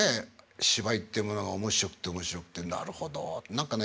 芝居っていうものが面白くて面白くてなるほど何かね